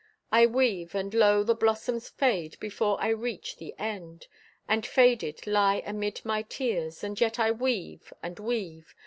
I weave, and lo, the blossoms fade Before I reach the end, And faded lie amid my tears— And yet I weave and weave.